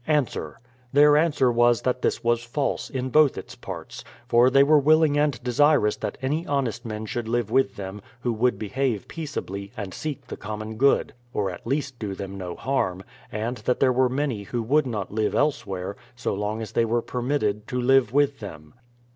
Ans : Their answer was that this was false, in both its parts ; for they were willing and desirous that any honest men should live with them, who would behave peaceably, and seek the common good, — or at least do them no harm ; and that there Avere inany who would not live elsewhere, so long as they were permitted to live with them.